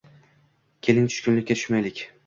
Keling, tushkunlikka tushmaylik